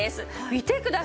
見てください